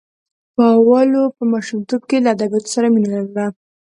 پاولو په ماشومتوب کې له ادبیاتو سره مینه لرله.